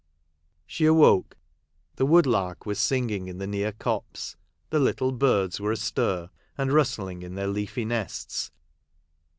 She awoke ; the woodlark was singing in the near copse — the little birds were astir, and rustling in their leafy nests.